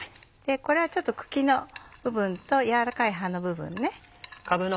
これは茎の部分と柔らかい葉の部分ね。